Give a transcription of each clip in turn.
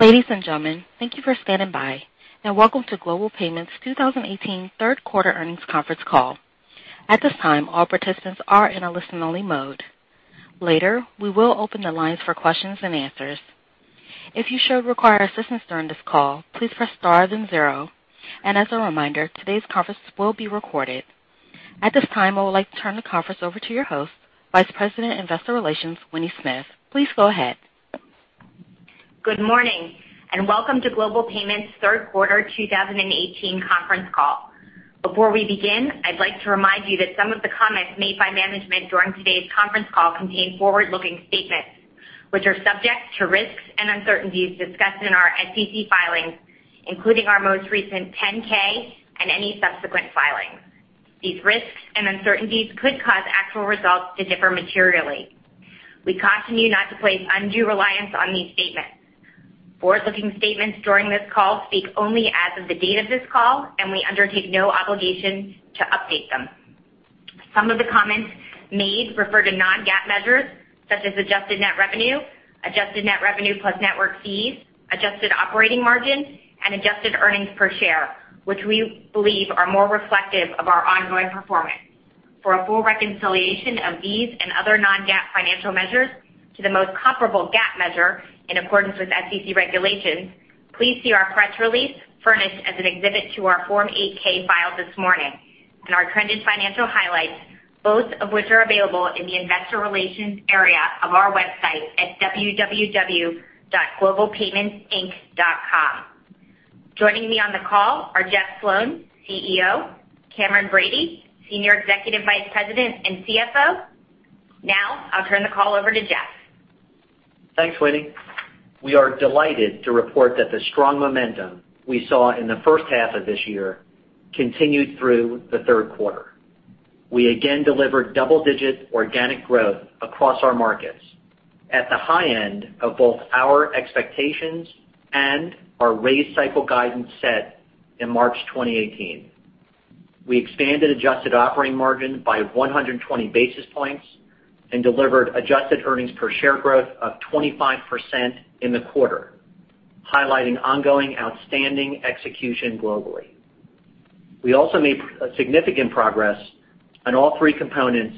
Ladies and gentlemen, thank you for standing by, welcome to Global Payments' 2018 third quarter earnings conference call. At this time, all participants are in a listen-only mode. Later, we will open the lines for questions and answers. If you should require assistance during this call, please press star then zero. As a reminder, today's conference will be recorded. At this time, I would like to turn the conference over to your host, Vice President Investor Relations, Winnie Smith. Please go ahead. Good morning, welcome to Global Payments' third quarter 2018 conference call. Before we begin, I'd like to remind you that some of the comments made by management during today's conference call contain forward-looking statements, which are subject to risks and uncertainties discussed in our SEC filings, including our most recent 10-K and any subsequent filings. These risks and uncertainties could cause actual results to differ materially. We caution you not to place undue reliance on these statements. Forward-looking statements during this call speak only as of the date of this call, we undertake no obligation to update them. Some of the comments made refer to non-GAAP measures such as adjusted net revenue, adjusted net revenue plus network fees, adjusted operating margin, and adjusted earnings per share, which we believe are more reflective of our ongoing performance. For a full reconciliation of these and other non-GAAP financial measures to the most comparable GAAP measure in accordance with SEC regulations, please see our press release furnished as an exhibit to our Form 8-K filed this morning and our trending financial highlights, both of which are available in the investor relations area of our website at www.globalpaymentsinc.com. Joining me on the call are Jeff Sloan, CEO, Cameron Bready, Senior Executive Vice President and CFO. I'll turn the call over to Jeff. Thanks, Winnie. We are delighted to report that the strong momentum we saw in the first half of this year continued through the third quarter. We again delivered double-digit organic growth across our markets at the high end of both our expectations and our raise cycle guidance set in March 2018. We expanded adjusted operating margin by 120 basis points and delivered adjusted earnings per share growth of 25% in the quarter, highlighting ongoing outstanding execution globally. We also made significant progress on all three components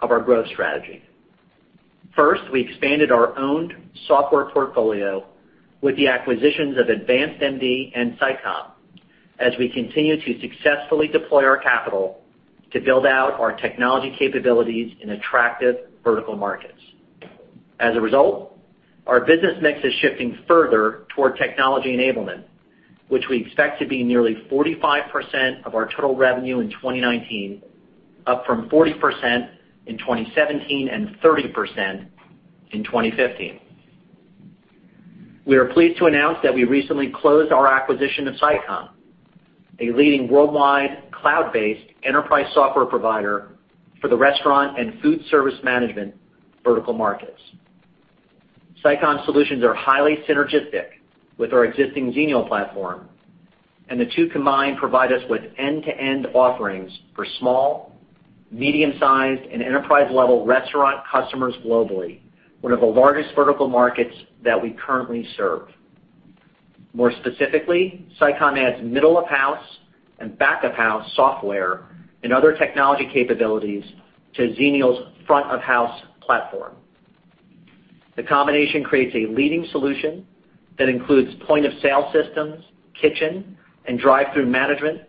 of our growth strategy. First, we expanded our owned software portfolio with the acquisitions of AdvancedMD and SICOM as we continue to successfully deploy our capital to build out our technology capabilities in attractive vertical markets. As a result, our business mix is shifting further toward technology enablement, which we expect to be nearly 45% of our total revenue in 2019, up from 40% in 2017 and 30% in 2015. We are pleased to announce that we recently closed our acquisition of SICOM, a leading worldwide cloud-based enterprise software provider for the restaurant and food service management vertical markets. SICOM solutions are highly synergistic with our existing Xenial platform, and the two combined provide us with end-to-end offerings for small, medium-sized, and enterprise-level restaurant customers globally, one of the largest vertical markets that we currently serve. More specifically, SICOM adds middle-of-house and back-of-house software and other technology capabilities to Xenial's front-of-house platform. The combination creates a leading solution that includes point-of-sale systems, kitchen and drive-through management,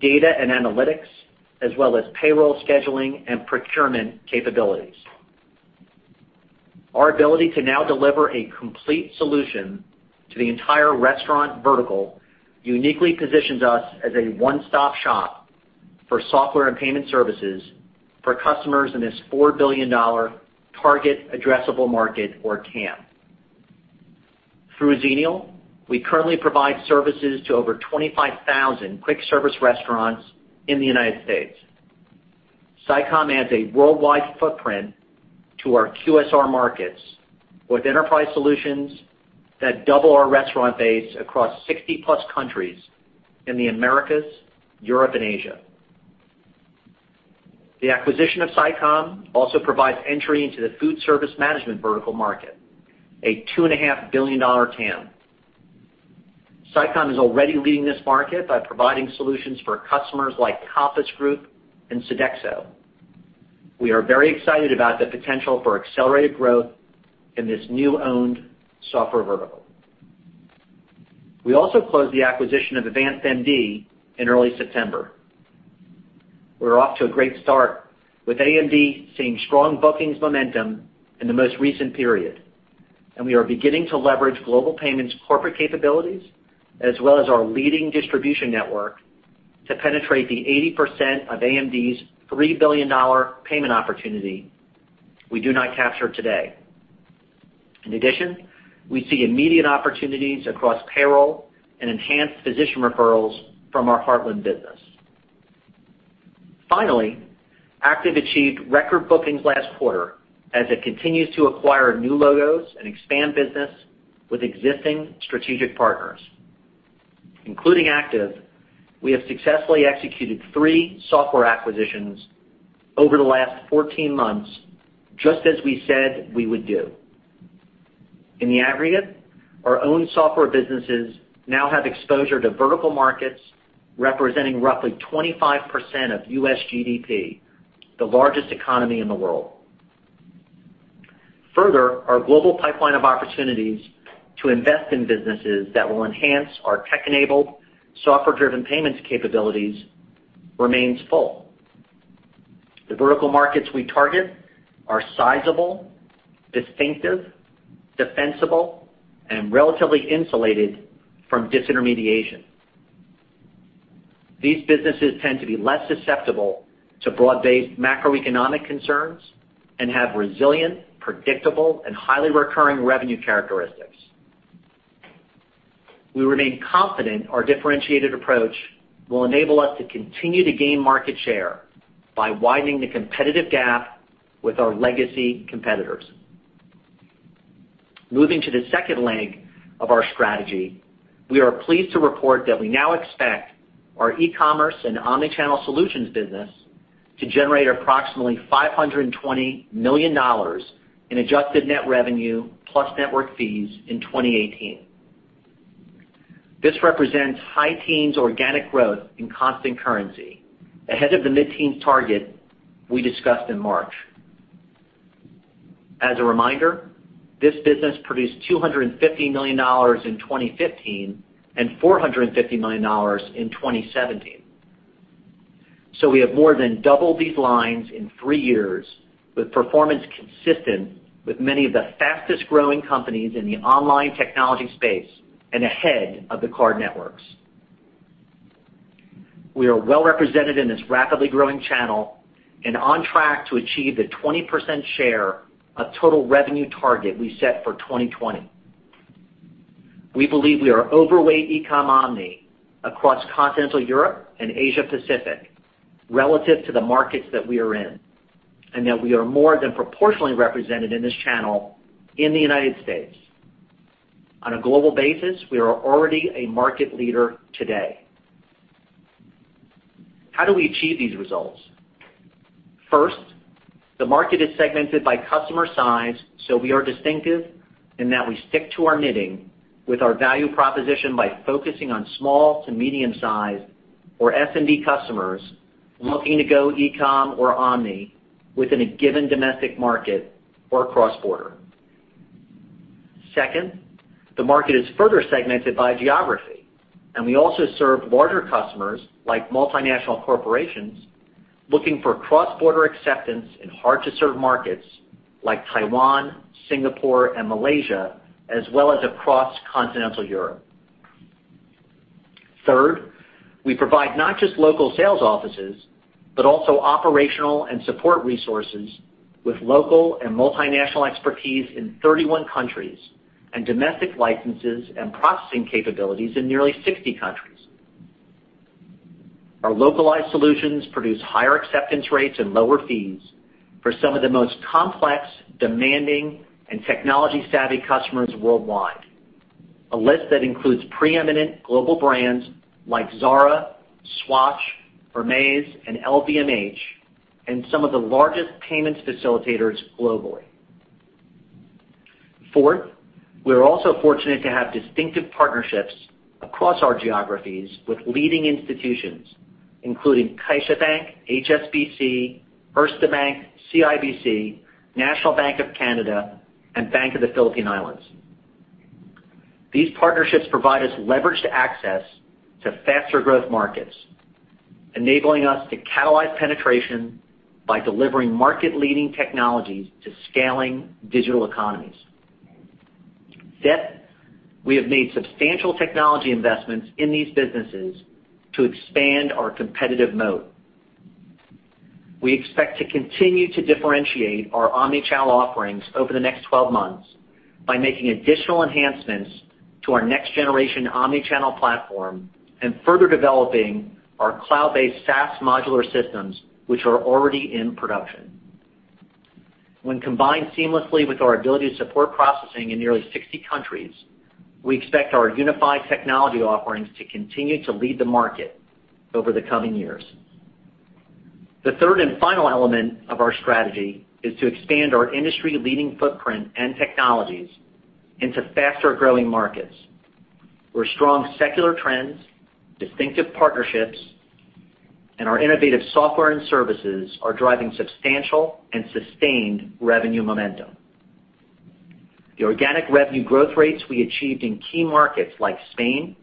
data and analytics, as well as payroll scheduling and procurement capabilities. Our ability to now deliver a complete solution to the entire restaurant vertical uniquely positions us as a one-stop shop for software and payment services for customers in this $4 billion target addressable market or TAM. Through Xenial, we currently provide services to over 25,000 quick service restaurants in the U.S. SICOM adds a worldwide footprint to our QSR markets with enterprise solutions that double our restaurant base across 60-plus countries in the Americas, Europe, and Asia. The acquisition of SICOM also provides entry into the food service management vertical market, a $2.5 billion TAM. SICOM is already leading this market by providing solutions for customers like Compass Group and Sodexo. We are very excited about the potential for accelerated growth in this new owned software vertical. We also closed the acquisition of AdvancedMD in early September. We're off to a great start with AMD seeing strong bookings momentum in the most recent period. We are beginning to leverage Global Payments' corporate capabilities as well as our leading distribution network to penetrate the 80% of AMD's $3 billion payment opportunity we do not capture today. In addition, we see immediate opportunities across payroll and enhanced physician referrals from our Heartland business. Finally, ACTIVE achieved record bookings last quarter as it continues to acquire new logos and expand business with existing strategic partners. Including ACTIVE, we have successfully executed three software acquisitions over the last 14 months, just as we said we would do. In the aggregate, our own software businesses now have exposure to vertical markets representing roughly 25% of U.S. GDP, the largest economy in the world. Further, our global pipeline of opportunities to invest in businesses that will enhance our tech-enabled, software-driven payments capabilities remains full. The vertical markets we target are sizable, distinctive, defensible, and relatively insulated from disintermediation. These businesses tend to be less susceptible to broad-based macroeconomic concerns and have resilient, predictable, and highly recurring revenue characteristics. We remain confident our differentiated approach will enable us to continue to gain market share by widening the competitive gap with our legacy competitors. Moving to the second leg of our strategy, we are pleased to report that we now expect our e-commerce and omni-channel solutions business to generate approximately $520 million in adjusted net revenue plus network fees in 2018. This represents high teens organic growth in constant currency, ahead of the mid-teen target we discussed in March. As a reminder, this business produced $250 million in 2015 and $450 million in 2017. We have more than doubled these lines in three years with performance consistent with many of the fastest-growing companies in the online technology space and ahead of the card networks. We are well represented in this rapidly growing channel and on track to achieve the 20% share of total revenue target we set for 2020. We believe we are overweight e-com omni across continental Europe and Asia-Pacific relative to the markets that we are in, and that we are more than proportionally represented in this channel in the U.S. On a global basis, we are already a market leader today. How do we achieve these results? First, the market is segmented by customer size, we are distinctive in that we stick to our knitting with our value proposition by focusing on small to medium-sized or SMB customers looking to go e-com or omni within a given domestic market or cross-border. Second, the market is further segmented by geography, we also serve larger customers like multinational corporations looking for cross-border acceptance in hard-to-serve markets like Taiwan, Singapore, and Malaysia, as well as across continental Europe. Third, we provide not just local sales offices, but also operational and support resources with local and multinational expertise in 31 countries and domestic licenses and processing capabilities in nearly 60 countries. Our localized solutions produce higher acceptance rates and lower fees for some of the most complex, demanding, and technology-savvy customers worldwide. A list that includes preeminent global brands like Zara, Swatch, Hermès, and LVMH, and some of the largest payments facilitators globally. Fourth, we are also fortunate to have distinctive partnerships across our geographies with leading institutions, including CaixaBank, HSBC, Erste Bank, CIBC, National Bank of Canada, and Bank of the Philippine Islands. These partnerships provide us leveraged access to faster growth markets, enabling us to catalyze penetration by delivering market-leading technologies to scaling digital economies. Fifth, we have made substantial technology investments in these businesses to expand our competitive moat. We expect to continue to differentiate our omni-channel offerings over the next 12 months by making additional enhancements to our next-generation omni-channel platform and further developing our cloud-based SaaS modular systems, which are already in production. When combined seamlessly with our ability to support processing in nearly 60 countries, we expect our unified technology offerings to continue to lead the market over the coming years. The third and final element of our strategy is to expand our industry-leading footprint and technologies into faster-growing markets, where strong secular trends, distinctive partnerships, and our innovative software and services are driving substantial and sustained revenue momentum. The organic revenue growth rates we achieved in key markets like Spain,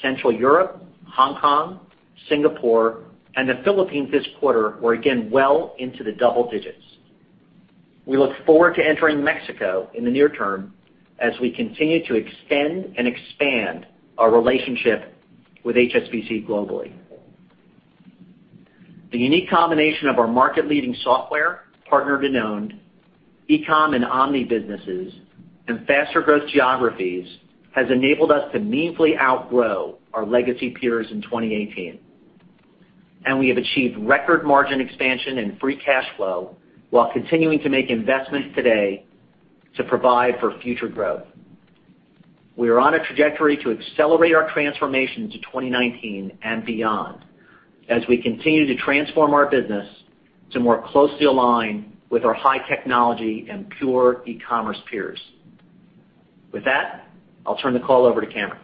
Central Europe, Hong Kong, Singapore, and the Philippines this quarter were again well into the double digits. We look forward to entering Mexico in the near term as we continue to extend and expand our relationship with HSBC globally. The unique combination of our market-leading software, partner-to-owned, e-com and omni businesses, and faster growth geographies has enabled us to meaningfully outgrow our legacy peers in 2018. We have achieved record margin expansion and free cash flow while continuing to make investments today to provide for future growth. We are on a trajectory to accelerate our transformation to 2019 and beyond as we continue to transform our business to more closely align with our high technology and pure e-commerce peers. With that, I'll turn the call over to Cameron.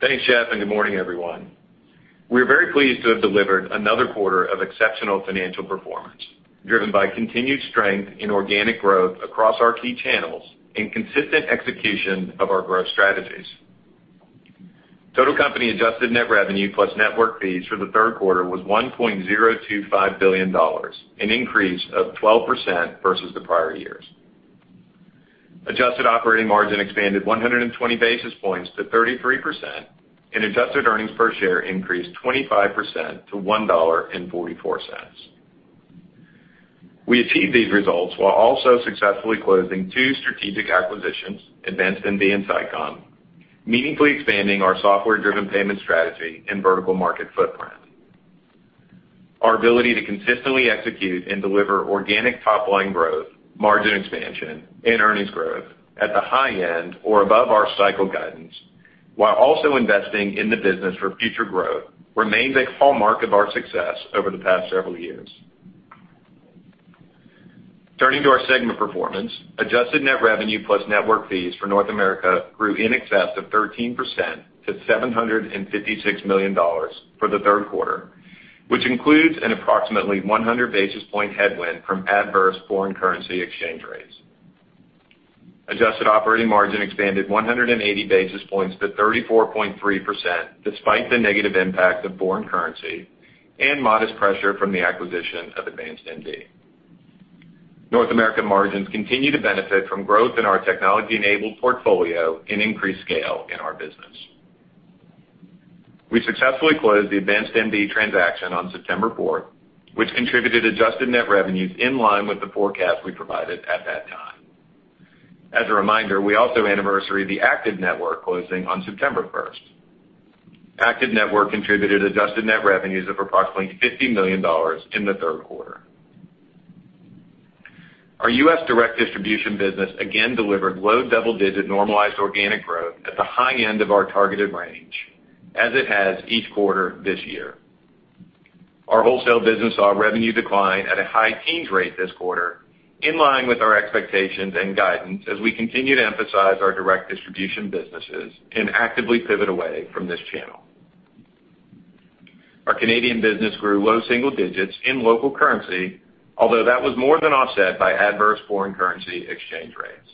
Thanks, Jeff, and good morning, everyone. We are very pleased to have delivered another quarter of exceptional financial performance, driven by continued strength in organic growth across our key channels and consistent execution of our growth strategies. Total company adjusted net revenue plus network fees for the third quarter was $1.025 billion, an increase of 12% versus the prior year's. Adjusted operating margin expanded 120 basis points to 33%, and adjusted earnings per share increased 25% to $1.44. We achieved these results while also successfully closing two strategic acquisitions, AdvancedMD and SICOM, meaningfully expanding our software-driven payment strategy and vertical market footprint. Our ability to consistently execute and deliver organic top-line growth, margin expansion, and earnings growth at the high end or above our cycle guidance, while also investing in the business for future growth, remains a hallmark of our success over the past several years. Turning to our segment performance, adjusted net revenue plus network fees for North America grew in excess of 13% to $756 million for the third quarter, which includes an approximately 100 basis point headwind from adverse foreign currency exchange rates. Adjusted operating margin expanded 180 basis points to 34.3%, despite the negative impact of foreign currency and modest pressure from the acquisition of AdvancedMD. North American margins continue to benefit from growth in our technology-enabled portfolio and increased scale in our business. We successfully closed the AdvancedMD transaction on September 4th, which contributed adjusted net revenues in line with the forecast we provided at that time. As a reminder, we also anniversaried the ACTIVE Network closing on September 1st. ACTIVE Network contributed adjusted net revenues of approximately $50 million in the third quarter. Our U.S. direct distribution business again delivered low double-digit normalized organic growth at the high end of our targeted range, as it has each quarter this year. Our wholesale business saw revenue decline at a high teens rate this quarter, in line with our expectations and guidance as we continue to emphasize our direct distribution businesses and actively pivot away from this channel. Our Canadian business grew low single digits in local currency, although that was more than offset by adverse foreign currency exchange rates.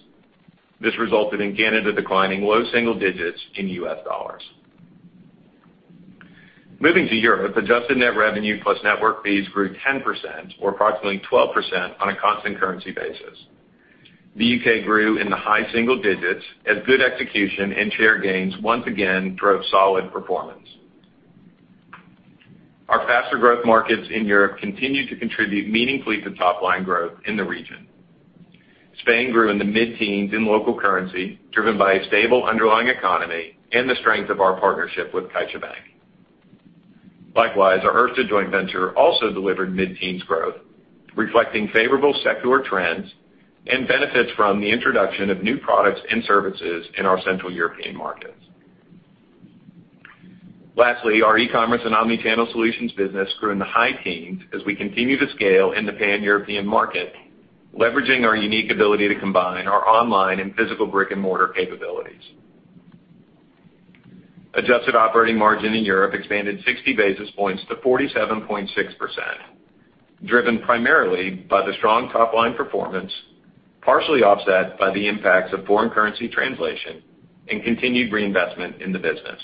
This resulted in Canada declining low single digits in U.S. dollars. Moving to Europe, adjusted net revenue plus network fees grew 10%, or approximately 12% on a constant currency basis. The U.K. grew in the high single digits as good execution and share gains once again drove solid performance. Our faster growth markets in Europe continued to contribute meaningfully to top-line growth in the region. Spain grew in the mid-teens in local currency, driven by a stable underlying economy and the strength of our partnership with CaixaBank. Likewise, our Erste joint venture also delivered mid-teens growth, reflecting favorable secular trends and benefits from the introduction of new products and services in our Central European markets. Lastly, our e-commerce and omnichannel solutions business grew in the high teens as we continue to scale in the Pan-European market, leveraging our unique ability to combine our online and physical brick-and-mortar capabilities. Adjusted operating margin in Europe expanded 60 basis points to 47.6%, driven primarily by the strong top-line performance, partially offset by the impacts of foreign currency translation and continued reinvestment in the business.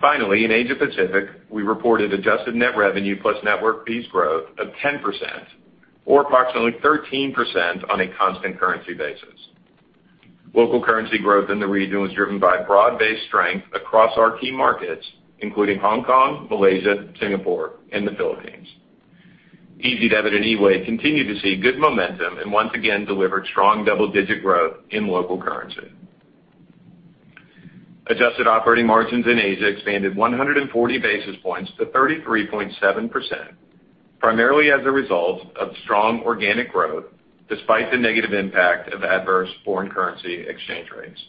Finally, in Asia Pacific, we reported adjusted net revenue plus network fees growth of 10%, or approximately 13% on a constant currency basis. Local currency growth in the region was driven by broad-based strength across our key markets, including Hong Kong, Malaysia, Singapore, and the Philippines. Ezidebit and eWAY continued to see good momentum and once again delivered strong double-digit growth in local currency. Adjusted operating margins in Asia expanded 140 basis points to 33.7%, primarily as a result of strong organic growth, despite the negative impact of adverse foreign currency exchange rates.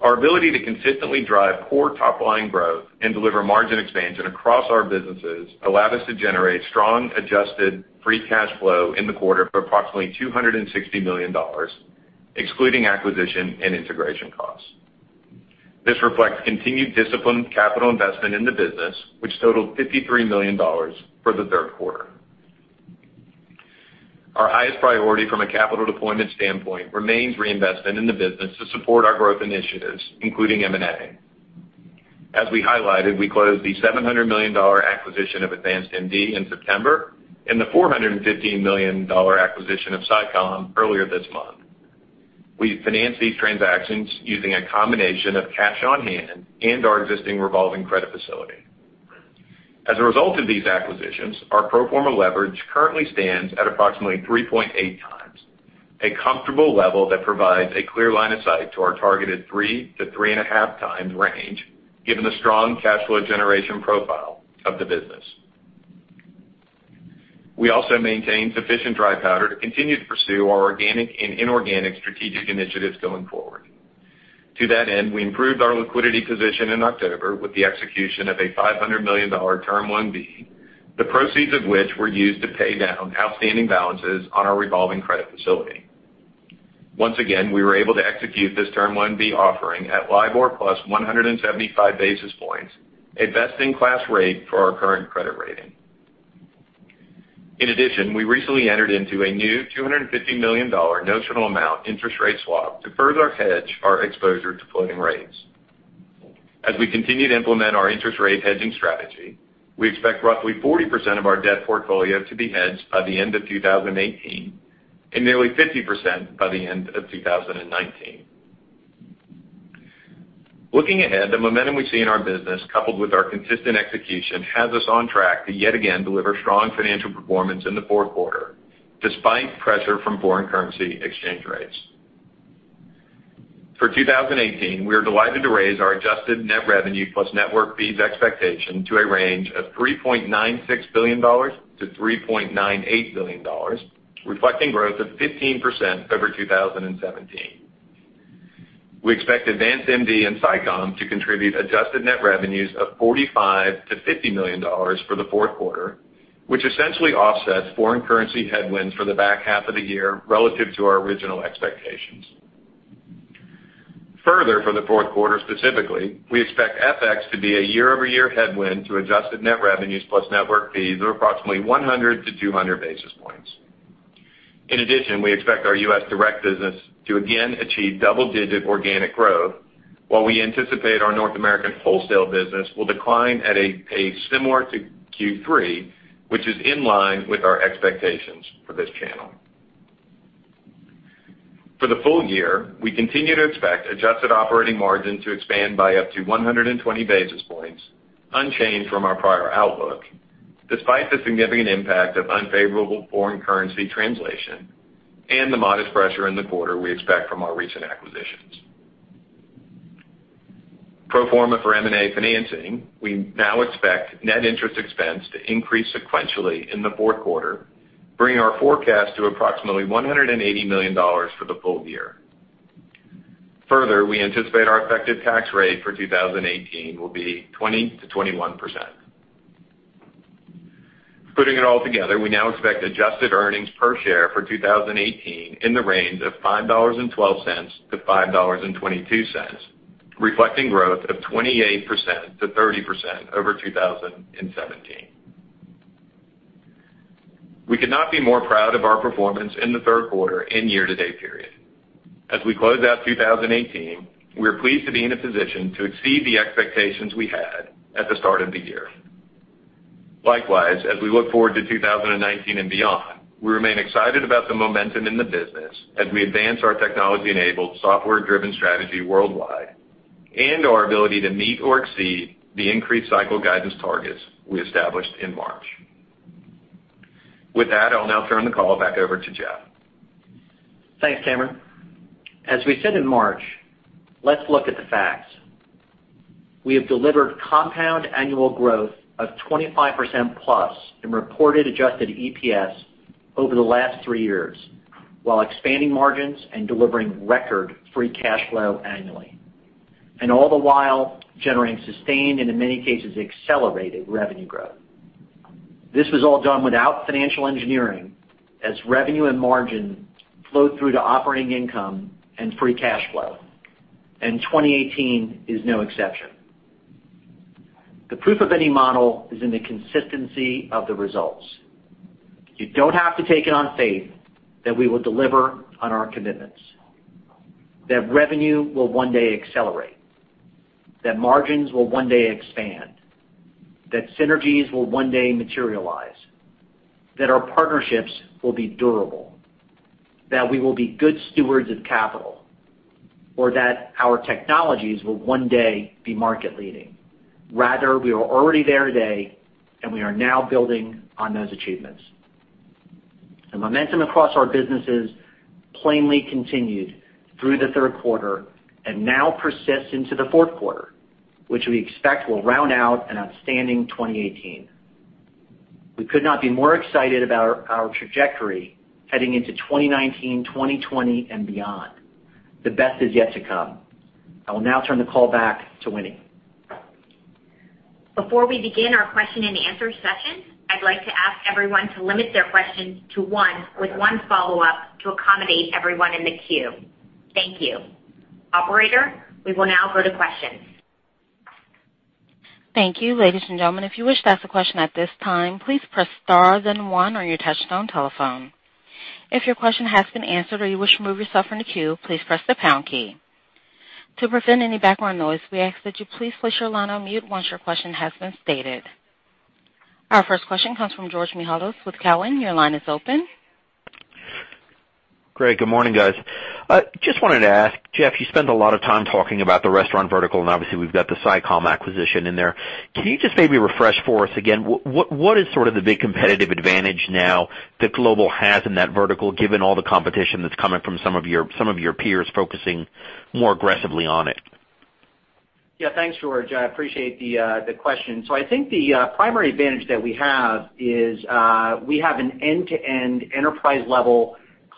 Our ability to consistently drive core top-line growth and deliver margin expansion across our businesses allowed us to generate strong adjusted free cash flow in the quarter of approximately $260 million, excluding acquisition and integration costs. This reflects continued disciplined capital investment in the business, which totaled $53 million for the third quarter. Our highest priority from a capital deployment standpoint remains reinvestment in the business to support our growth initiatives, including M&A. As we highlighted, we closed the $700 million acquisition of AdvancedMD in September and the $415 million acquisition of SICOM earlier this month. We financed these transactions using a combination of cash on hand and our existing revolving credit facility. As a result of these acquisitions, our pro forma leverage currently stands at approximately 3.8 times, a comfortable level that provides a clear line of sight to our targeted 3 to 3.5 times range, given the strong cash flow generation profile of the business. We also maintain sufficient dry powder to continue to pursue our organic and inorganic strategic initiatives going forward. To that end, we improved our liquidity position in October with the execution of a $500 million Term 1B, the proceeds of which were used to pay down outstanding balances on our revolving credit facility. Once again, we were able to execute this Term 1B offering at LIBOR plus 175 basis points, a best-in-class rate for our current credit rating. In addition, we recently entered into a new $250 million notional amount interest rate swap to further hedge our exposure to floating rates. As we continue to implement our interest rate hedging strategy, we expect roughly 40% of our debt portfolio to be hedged by the end of 2018 and nearly 50% by the end of 2019. Looking ahead, the momentum we see in our business, coupled with our consistent execution, has us on track to yet again deliver strong financial performance in the fourth quarter, despite pressure from foreign currency exchange rates. For 2018, we are delighted to raise our adjusted net revenue plus network fees expectation to a range of $3.96 billion-$3.98 billion, reflecting growth of 15% over 2017. We expect AdvancedMD and SICOM to contribute adjusted net revenues of $45 million-$50 million for the fourth quarter, which essentially offsets foreign currency headwinds for the back half of the year relative to our original expectations. For the fourth quarter, specifically, we expect FX to be a year-over-year headwind to adjusted net revenues plus network fees of approximately 100-200 basis points. We expect our U.S. direct business to again achieve double-digit organic growth, while we anticipate our North American wholesale business will decline at a pace similar to Q3, which is in line with our expectations for this channel. For the full year, we continue to expect adjusted operating margin to expand by up to 120 basis points, unchanged from our prior outlook, despite the significant impact of unfavorable foreign currency translation and the modest pressure in the quarter we expect from our recent acquisitions. Pro forma for M&A financing, we now expect net interest expense to increase sequentially in the fourth quarter, bringing our forecast to approximately $180 million for the full year. We anticipate our effective tax rate for 2018 will be 20%-21%. We now expect adjusted earnings per share for 2018 in the range of $5.12-$5.22, reflecting growth of 28%-30% over 2017. We could not be more proud of our performance in the third quarter and year-to-date period. As we close out 2018, we are pleased to be in a position to exceed the expectations we had at the start of the year. Likewise, as we look forward to 2019 and beyond, we remain excited about the momentum in the business as we advance our technology-enabled, software-driven strategy worldwide and our ability to meet or exceed the increased cycle guidance targets we established in March. I'll now turn the call back over to Jeff. Thanks, Cameron. As we said in March, let's look at the facts. We have delivered compound annual growth of 25%+ in reported adjusted EPS over the last three years while expanding margins and delivering record free cash flow annually. All the while, generating sustained, and in many cases, accelerated revenue growth. This was all done without financial engineering as revenue and margin flowed through to operating income and free cash flow, and 2018 is no exception. The proof of any model is in the consistency of the results. You don't have to take it on faith that we will deliver on our commitments, that revenue will one day accelerate, that margins will one day expand, that synergies will one day materialize, that our partnerships will be durable, that we will be good stewards of capital, or that our technologies will one day be market-leading. We are already there today, and we are now building on those achievements. The momentum across our businesses plainly continued through the third quarter and now persists into the fourth quarter, which we expect will round out an outstanding 2018. We could not be more excited about our trajectory heading into 2019, 2020, and beyond. The best is yet to come. I will now turn the call back to Winnie. Before we begin our question and answer session, I'd like to ask everyone to limit their questions to one with one follow-up to accommodate everyone in the queue. Thank you. Operator, we will now go to questions. Thank you. Ladies and gentlemen, if you wish to ask a question at this time, please press star then one on your touchtone telephone. If your question has been answered or you wish to remove yourself from the queue, please press the pound key. To prevent any background noise, we ask that you please place your line on mute once your question has been stated. Our first question comes from Georgios Mihalos with Cowen. Your line is open. Great. Good morning, guys. Just wanted to ask, Jeff, you spent a lot of time talking about the restaurant vertical. Obviously, we've got the SICOM acquisition in there. Can you just maybe refresh for us again, what is sort of the big competitive advantage now that Global has in that vertical, given all the competition that's coming from some of your peers focusing more aggressively on it? Yeah. Thanks, George. I appreciate the question. I think the primary advantage that we have is we have an end-to-end enterprise-level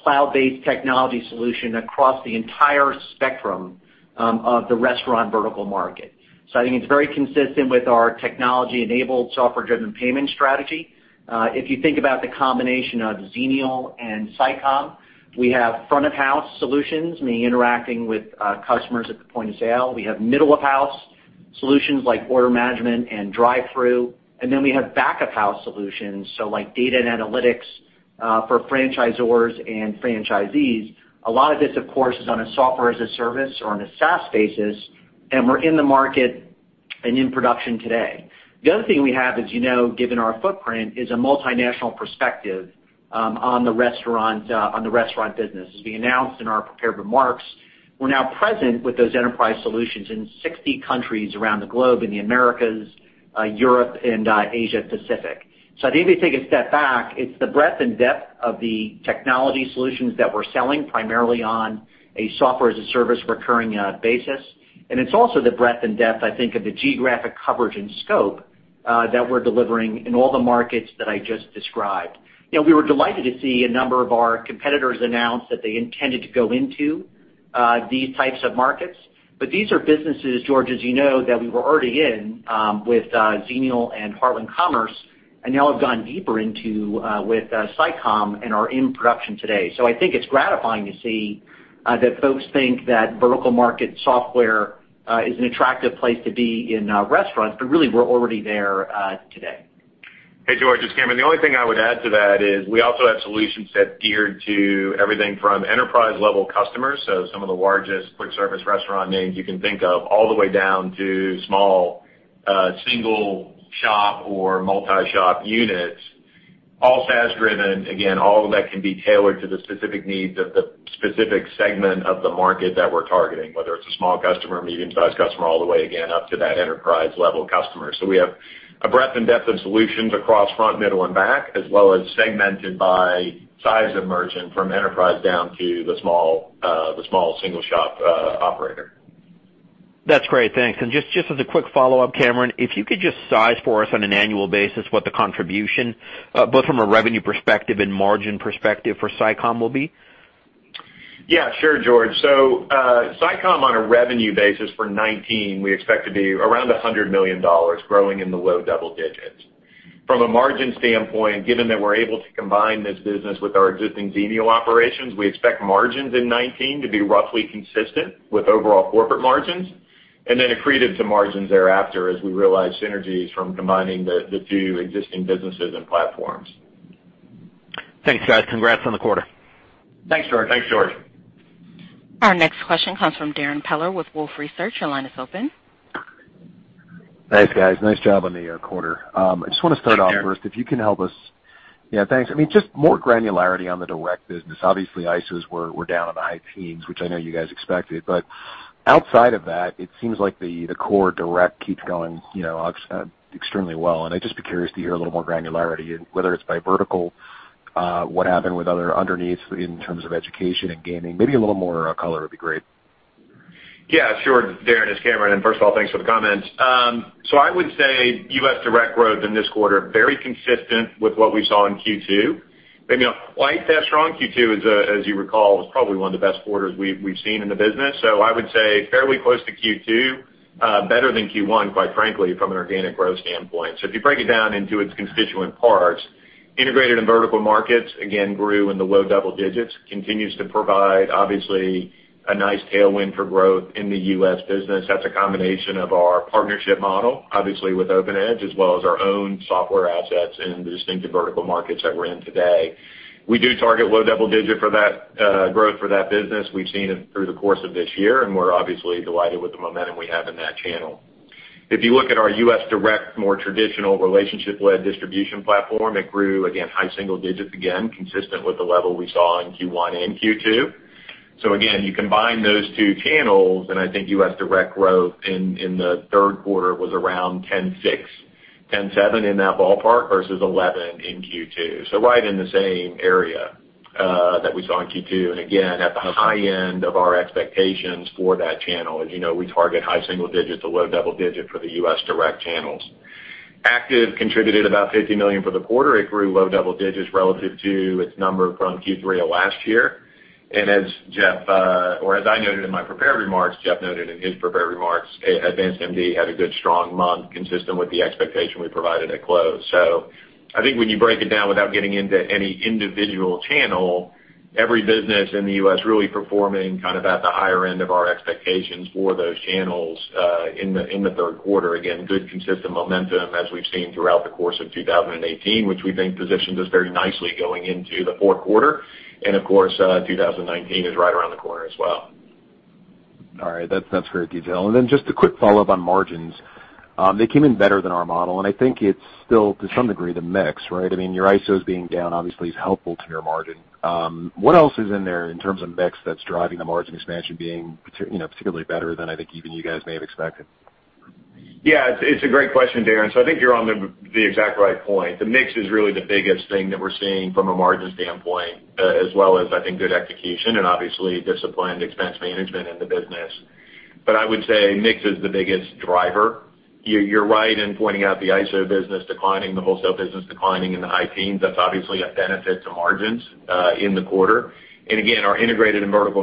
cloud-based technology solution across the entire spectrum of the restaurant vertical market. I think it's very consistent with our technology-enabled, software-driven payment strategy. If you think about the combination of Xenial and SICOM, we have front of house solutions, meaning interacting with customers at the point of sale. We have middle of house solutions like order management and drive-thru, and then we have back of house solutions, like data and analytics for franchisors and franchisees. A lot of this, of course, is on a Software as a Service or on a SaaS basis, and we're in the market and in production today. The other thing we have, as you know, given our footprint, is a multinational perspective on the restaurant business. As we announced in our prepared remarks, we're now present with those enterprise solutions in 60 countries around the globe, in the Americas, Europe, and Asia Pacific. I think if you take a step back, it's the breadth and depth of the technology solutions that we're selling primarily on a Software as a Service recurring basis. It's also the breadth and depth, I think, of the geographic coverage and scope that we're delivering in all the markets that I just described. We were delighted to see a number of our competitors announce that they intended to go into these types of markets. These are businesses, George, as you know, that we were already in with Xenial and Heartland Commerce and now have gone deeper into with SICOM and are in production today. I think it's gratifying to see that folks think that vertical market software is an attractive place to be in restaurants, really, we're already there today. Hey, George, it's Cameron. The only thing I would add to that is we also have solution sets geared to everything from enterprise-level customers, some of the largest quick service restaurant names you can think of, all the way down to small single shop or multi-shop units, all SaaS driven. Again, all of that can be tailored to the specific needs of the specific segment of the market that we're targeting, whether it's a small customer, medium-sized customer, all the way again, up to that enterprise level customer. We have a breadth and depth of solutions across front, middle, and back, as well as segmented by size of merchant, from enterprise down to the small single shop operator. That's great. Thanks. Just as a quick follow-up, Cameron, if you could just size for us on an annual basis what the contribution both from a revenue perspective and margin perspective for SICOM will be. Yeah, sure, George. SICOM on a revenue basis for 2019, we expect to be around $100 million, growing in the low double digits. From a margin standpoint, given that we're able to combine this business with our existing Xenial operations, we expect margins in 2019 to be roughly consistent with overall corporate margins, and then accretive to margins thereafter as we realize synergies from combining the two existing businesses and platforms. Thanks, guys. Congrats on the quarter. Thanks, George. Thanks, George. Our next question comes from Darrin Peller with Wolfe Research. Your line is open. Thanks, guys. Nice job on the quarter. Thanks, Darrin. I just want to start off first, if you can help us. Yeah, thanks. Just more granularity on the direct business. ISOs were down in the high teens, which I know you guys expected. Outside of that, it seems like the core direct keeps going extremely well, and I'd just be curious to hear a little more granularity, whether it's by vertical, what happened with other underneaths in terms of education and gaming. Maybe a little more color would be great. Yeah, sure, Darrin, it's Cameron. First of all, thanks for the comments. I would say U.S. direct growth in this quarter, very consistent with what we saw in Q2. Maybe not quite that strong. Q2, as you recall, was probably one of the best quarters we've seen in the business. I would say fairly close to Q2, better than Q1, quite frankly, from an organic growth standpoint. If you break it down into its constituent parts, integrated and vertical markets again grew in the low double digits, continues to provide, obviously, a nice tailwind for growth in the U.S. business. That's a combination of our partnership model, obviously with OpenEdge, as well as our own software assets in the distinctive vertical markets that we're in today. We do target low double digit growth for that business. We've seen it through the course of this year. We're obviously delighted with the momentum we have in that channel. If you look at our U.S. direct, more traditional relationship-led distribution platform, it grew again high single digits, again, consistent with the level we saw in Q1 and Q2. Again, you combine those two channels, I think U.S. direct growth in the third quarter was around 10.6, 10.7 in that ballpark versus 11 in Q2. Right in the same area that we saw in Q2. Again, at the high end of our expectations for that channel. As you know, we target high single digit to low double digit for the U.S. direct channels. ACTIVE contributed about $50 million for the quarter. It grew low double digits relative to its number from Q3 of last year. As I noted in my prepared remarks, Jeff noted in his prepared remarks, AdvancedMD had a good strong month consistent with the expectation we provided at close. I think when you break it down without getting into any individual channel, every business in the U.S. really performing kind of at the higher end of our expectations for those channels in the third quarter. Again, good consistent momentum as we've seen throughout the course of 2018, which we think positions us very nicely going into the fourth quarter. Of course, 2019 is right around the corner as well. All right. That's great detail. Just a quick follow-up on margins. They came in better than our model, and I think it's still to some degree, the mix, right? Your ISOs being down obviously is helpful to your margin. What else is in there in terms of mix that's driving the margin expansion being particularly better than I think even you guys may have expected? Yeah, it's a great question, Darrin. I think you're on the exact right point. The mix is really the biggest thing that we're seeing from a margin standpoint, as well as, I think, good execution and obviously disciplined expense management in the business. I would say mix is the biggest driver. You're right in pointing out the ISO business declining, the wholesale business declining in the high teens. That's obviously a benefit to margins in the quarter. Our integrated and vertical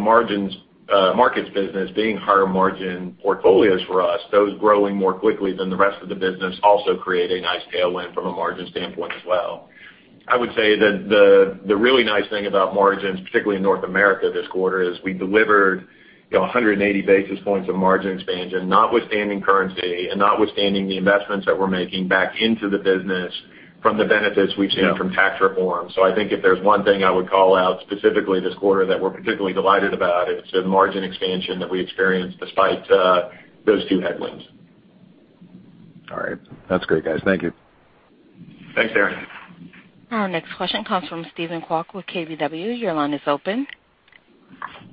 markets business being higher margin portfolios for us, those growing more quickly than the rest of the business also create a nice tailwind from a margin standpoint as well. I would say that the really nice thing about margins, particularly in North America this quarter, is we delivered 180 basis points of margin expansion, notwithstanding currency and notwithstanding the investments that we're making back into the business from the benefits we've seen from tax reform. I think if there's one thing I would call out specifically this quarter that we're particularly delighted about, it's the margin expansion that we experienced despite those two headwinds. All right. That's great, guys. Thank you. Thanks, Darrin. Our next question comes from Steven Kwok with KBW. Your line is open.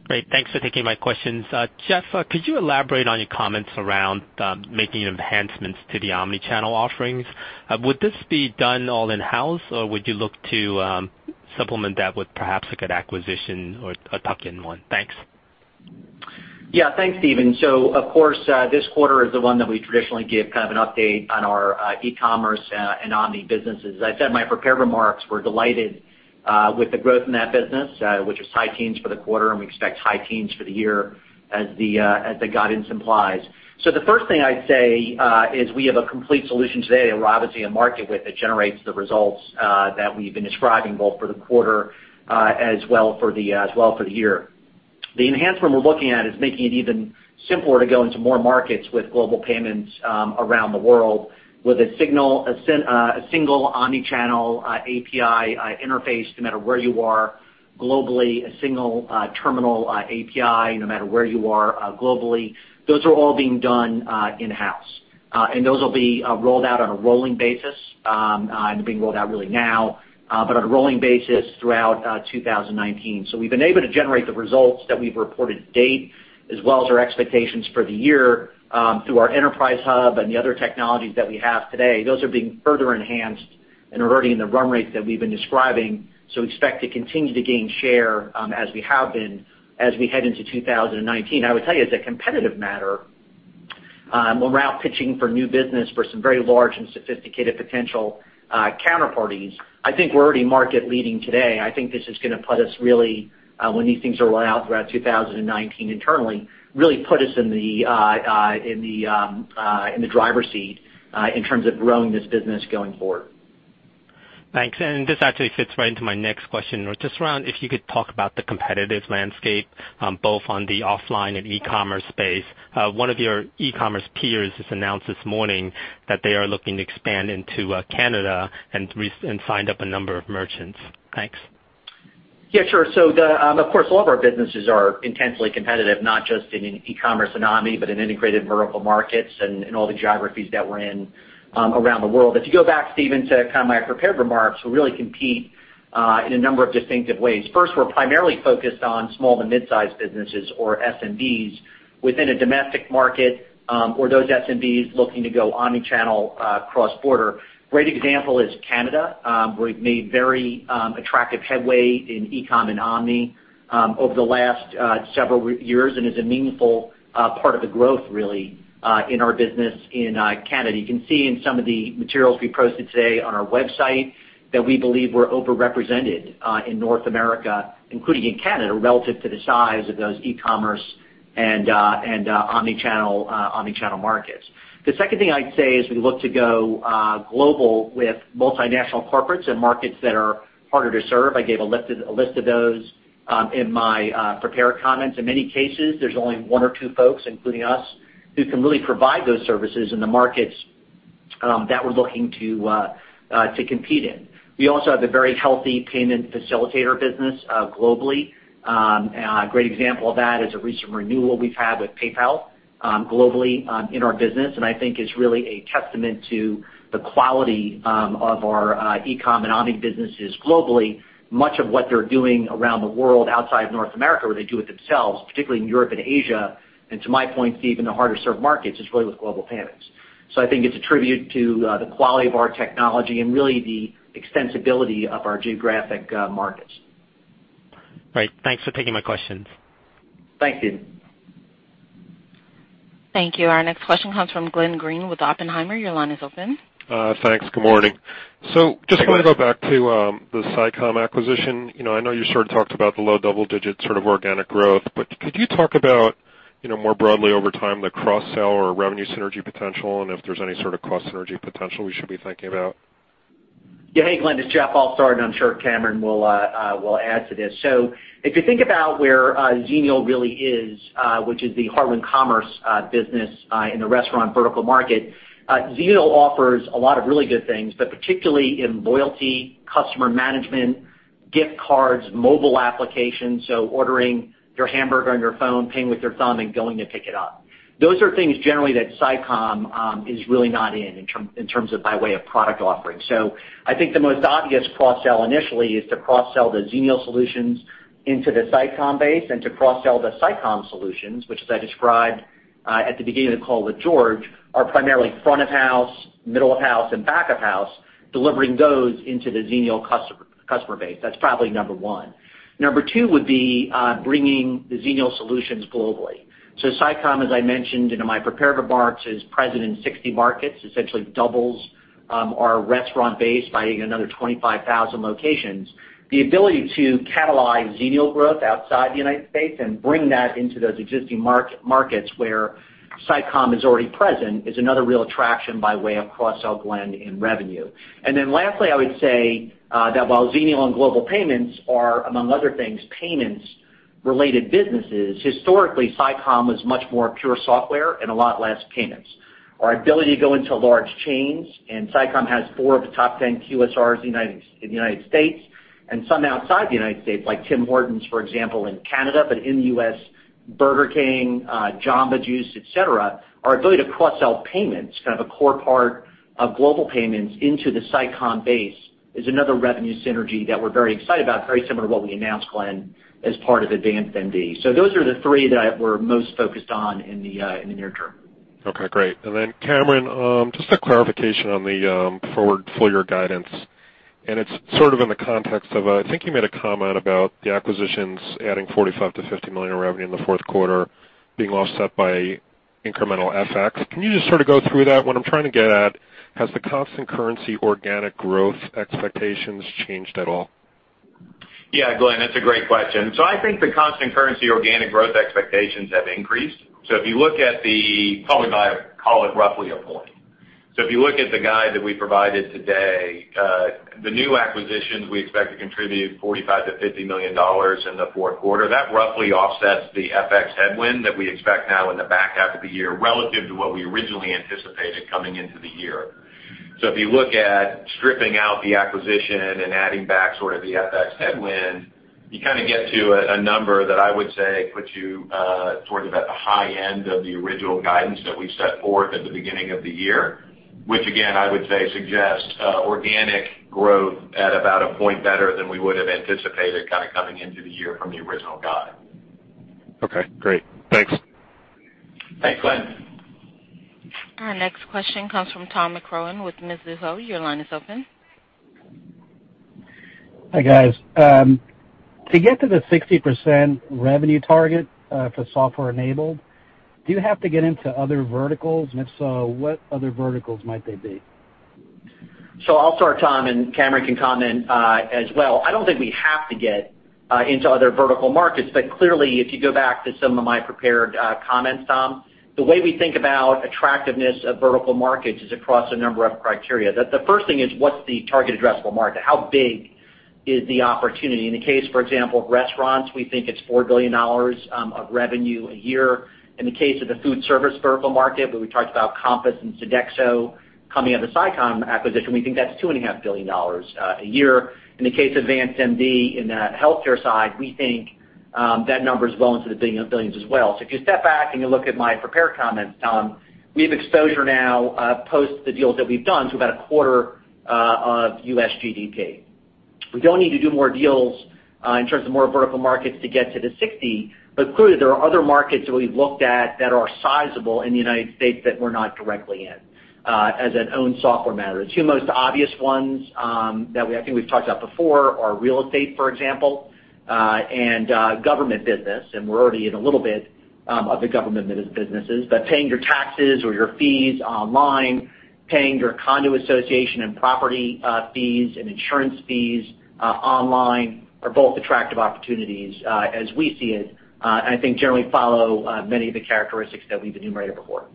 Great. Thanks for taking my questions. Jeff, could you elaborate on your comments around making enhancements to the omni-channel offerings? Would this be done all in-house, or would you look to supplement that with perhaps a good acquisition or a tuck-in one? Thanks. Yeah, thanks, Steven. Of course, this quarter is the one that we traditionally give kind of an update on our e-commerce and omni businesses. As I said in my prepared remarks, we're delighted with the growth in that business, which is high teens for the quarter, and we expect high teens for the year as the guidance implies. The first thing I'd say is we have a complete solution today to go out to the market with that generates the results that we've been describing both for the quarter as well for the year. The enhancement we're looking at is making it even simpler to go into more markets with Global Payments around the world with a single omni-channel API interface no matter where you are globally, a single terminal API, no matter where you are globally. Those are all being done in-house. Those will be rolled out on a rolling basis and are being rolled out really now, but on a rolling basis throughout 2019. We've been able to generate the results that we've reported to date, as well as our expectations for the year through our enterprise hub and the other technologies that we have today. Those are being further enhanced and are already in the run rates that we've been describing. We expect to continue to gain share as we have been as we head into 2019. I would tell you as a competitive matter, we're out pitching for new business for some very large and sophisticated potential counterparties. I think we're already market leading today. I think this is going to put us really, when these things are rolled out throughout 2019 internally, really put us in the driver's seat in terms of growing this business going forward. Thanks. This actually fits right into my next question. Just around if you could talk about the competitive landscape, both on the offline and e-commerce space. One of your e-commerce peers has announced this morning that they are looking to expand into Canada and signed up a number of merchants. Thanks. Yeah, sure. Of course, all of our businesses are intensely competitive, not just in e-commerce and omni, but in integrated vertical markets and in all the geographies that we're in around the world. If you go back, Steven, to my prepared remarks, we really compete in a number of distinctive ways. First, we're primarily focused on small to mid-size businesses or SMBs within a domestic market or those SMBs looking to go omni-channel cross-border. Great example is Canada, where we've made very attractive headway in e-com and omni over the last several years and is a meaningful part of the growth really in our business in Canada. You can see in some of the materials we posted today on our website that we believe we're overrepresented in North America, including in Canada, relative to the size of those e-commerce and omni-channel markets. The second thing I'd say is we look to go global with multinational corporates and markets that are harder to serve. I gave a list of those in my prepared comments. In many cases, there's only one or two folks, including us, who can really provide those services in the markets that we're looking to compete in. We also have a very healthy payment facilitator business globally. A great example of that is a recent renewal we've had with PayPal globally in our business, and I think is really a testament to the quality of our e-com and omni businesses globally. Much of what they're doing around the world outside North America, where they do it themselves, particularly in Europe and Asia, and to my point, Steven, the harder served markets is really with Global Payments. I think it's a tribute to the quality of our technology and really the extensibility of our geographic markets. Great. Thanks for taking my questions. Thanks, Steven. Thank you. Our next question comes from Glenn Greene with Oppenheimer. Your line is open. Thanks. Good morning. Hey, Glenn. Just want to go back to the SICOM acquisition. I know you sort of talked about the low double-digit sort of organic growth, but could you talk about more broadly over time the cross-sell or revenue synergy potential and if there's any sort of cost synergy potential we should be thinking about? Hey, Glenn, it's Jeff. I'll start, and I'm sure Cameron will add to this. If you think about where Xenial really is, which is the Heartland Commerce business in the restaurant vertical market, Xenial offers a lot of really good things, but particularly in loyalty, customer management, gift cards, mobile applications, ordering your hamburger on your phone, paying with your thumb, and going to pick it up. Those are things generally that SICOM is really not in terms of by way of product offering. I think the most obvious cross-sell initially is to cross-sell the Xenial solutions into the SICOM base and to cross-sell the SICOM solutions, which, as I described, at the beginning of the call with George, are primarily front of house, middle of house, and back of house, delivering those into the Xenial customer base. That's probably Number 1. Number 2 would be bringing the Xenial solutions globally. SICOM, as I mentioned in my prepared remarks, is present in 60 markets, essentially doubles our restaurant base by another 25,000 locations. The ability to catalyze Xenial growth outside the U.S. and bring that into those existing markets where SICOM is already present is another real attraction by way of cross-sell, Glenn, in revenue. And then lastly, I would say that while Xenial and Global Payments are, among other things, payments-related businesses, historically, SICOM was much more pure software and a lot less payments. Our ability to go into large chains, and SICOM has four of the top 10 QSRs in the U.S. and some outside the U.S., like Tim Hortons, for example, in Canada, but in the U.S., Burger King, Jamba Juice, et cetera, our ability to cross-sell payments, kind of a core part of Global Payments into the SICOM base is another revenue synergy that we're very excited about, very similar to what we announced, Glenn, as part of AdvancedMD. Those are the three that we're most focused on in the near term. Great. Cameron, just a clarification on the forward full-year guidance, and it's sort of in the context of, I think you made a comment about the acquisitions adding $45 million-$50 million in revenue in the fourth quarter being offset by incremental FX. Can you just sort of go through that? What I'm trying to get at, has the constant currency organic growth expectations changed at all? Glenn, that's a great question. I think the constant currency organic growth expectations have increased. Probably, I'd call it roughly a point. If you look at the guide that we provided today, the new acquisitions we expect to contribute $45 million-$50 million in the fourth quarter. That roughly offsets the FX headwind that we expect now in the back half of the year relative to what we originally anticipated coming into the year. If you look at stripping out the acquisition and adding back sort of the FX headwind, you kind of get to a number that I would say puts you towards about the high end of the original guidance that we set forth at the beginning of the year, which again, I would say suggests organic growth at about a point better than we would have anticipated coming into the year from the original guide. Okay, great. Thanks. Thanks, Glenn. Thanks, Glenn. Our next question comes from Tom McCrohan with Mizuho. Your line is open. Hi, guys. To get to the 60% revenue target, for software enabled, do you have to get into other verticals? If so, what other verticals might they be? I'll start, Tom, and Cameron can comment as well. I don't think we have to get into other vertical markets. Clearly, if you go back to some of my prepared comments, Tom, the way we think about attractiveness of vertical markets is across a number of criteria. The first thing is, what's the target addressable market? How big is the opportunity? In the case, for example, of restaurants, we think it's $4 billion of revenue a year. In the case of the food service vertical market, where we talked about Compass Group and Sodexo coming out of the SICOM acquisition, we think that's $2.5 billion a year. In the case of AdvancedMD, in the healthcare side, we think that number is well into the billions as well. If you step back and you look at my prepared comments, Tom, we have exposure now, post the deals that we've done, to about a quarter of U.S. GDP. We don't need to do more deals in terms of more vertical markets to get to the 60, clearly, there are other markets that we've looked at that are sizable in the United States that we're not directly in as an owned software matter. The two most obvious ones that I think we've talked about before are real estate, for example, and government business, and we're already in a little bit of the government businesses. Paying your taxes or your fees online, paying your condo association and property fees and insurance fees online are both attractive opportunities as we see it, and I think generally follow many of the characteristics that we've enumerated before.